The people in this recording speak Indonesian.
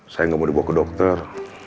saya nggak mau dibawa ke dokter